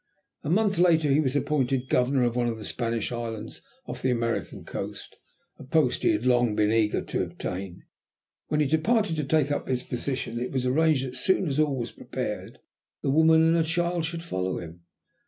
A month later he was appointed Governor of one of the Spanish islands off the American coast a post he had long been eager to obtain. When he departed to take up his position it was arranged that, as soon as all was prepared, the woman and her child should follow him.